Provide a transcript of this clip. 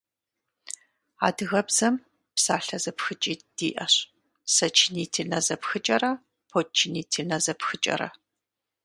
Адыгэбзэм псалъэ зэпхыкӏитӏ диӏэщ: сочинительнэ зэпхыкӏэрэ подчинительнэ зэпхыкӏэрэ.